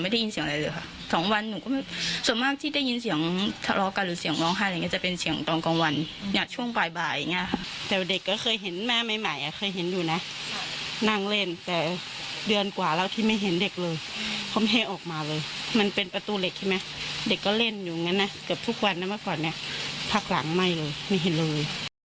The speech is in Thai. เด็กก็เล่นอยู่อย่างนั้นนะเกือบทุกวันนั้นเมื่อก่อนเนี่ยพักหลังไม่เห็นเลย